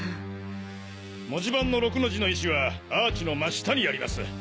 文字盤の「６」の字の石はアーチの真下にあります。